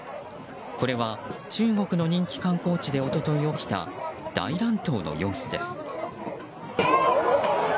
これは、中国の人気観光地で一昨日起きた大乱闘の様子です。